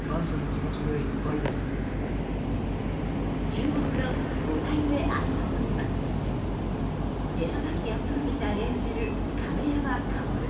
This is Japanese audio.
注目の５代目相棒には寺脇康文さん演じる亀山薫。